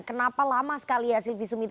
kenapa lama sekali hasil visum itu